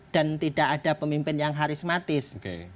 dan tidak ada pemimpin yang harismatis